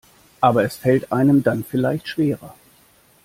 Aber es fällt einem dann vielleicht schwerer.